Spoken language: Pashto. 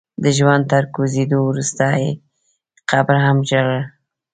د ژوند تر کوزېدو وروسته يې قبر هم ژړل.